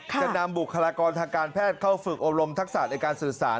จะนำบุคลากรทางการแพทย์เข้าฝึกอบรมทักษะในการสื่อสาร